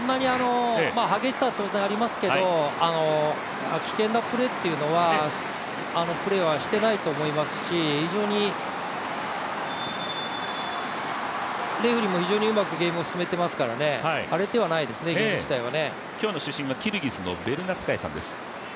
激しさは当然ありますけれども、危険なプレーというのはしていないと思いますしレフェリーも非常にうまくゲームを進めていますから荒れてはいないですね、ゲーム自体はね。